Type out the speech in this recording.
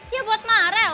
ya buat marel